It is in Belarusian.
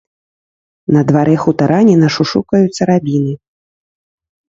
На дварэ хутараніна шушукаюцца рабіны.